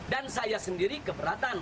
dan saya sendiri keberatan